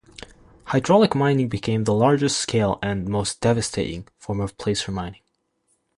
Hydraulic mining became the largest-scale, and most devastating, form of placer mining.